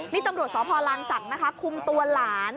นี่ตำรวจสพลานศักดิ์นะคะคุมตัวหลาน